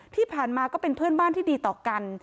ที่ผ่านมาก็เป็นเพื่อนบ้านที่ดีต่อกัน